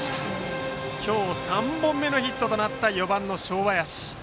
今日３本目のヒットとなった４番の正林。